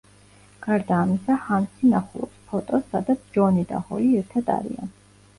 გარდა ამისა, ჰანსი ნახულობს ფოტოს, სადაც ჯონი და ჰოლი ერთად არიან.